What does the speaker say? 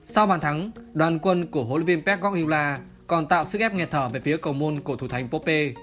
sau bàn thắng đoàn quân của hlv pek gok yula còn tạo sức ép nghẹt thở về phía cầu môn của thủ thánh poppe